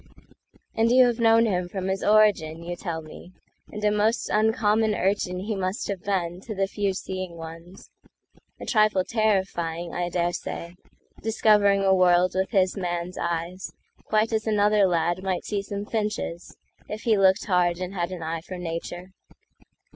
And you have known him from his origin, You tell me; and a most uncommon urchinHe must have been to the few seeing ones—A trifle terrifying, I dare say, Discovering a world with his man's eyes, Quite as another lad might see some finches, If he looked hard and had an eye for nature.